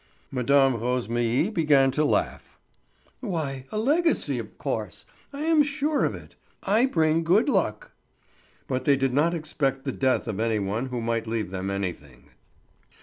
Mme. Rosémilly began to laugh. "Why, a legacy, of course. I am sure of it. I bring good luck." But they did not expect the death of any one who might leave them anything.